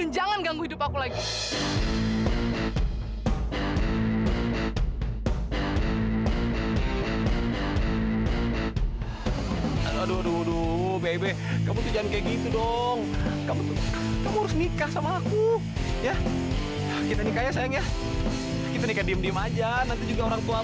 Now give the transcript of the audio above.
sampai jumpa di video selanjutnya